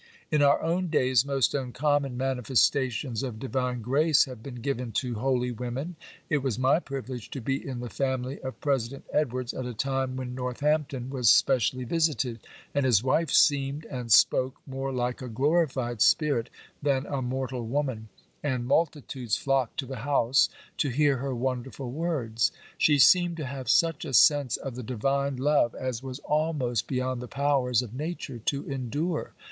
In our own days most uncommon manifestations of divine grace have been given to holy women. It was my privilege to be in the family of President Edwards at a time when Northampton was specially visited, and his wife seemed and spoke more like a glorified spirit than a mortal woman, and multitudes flocked to the house to hear her wonderful words. She seemed to have such a sense of the Divine love as was almost beyond the powers of nature to endure.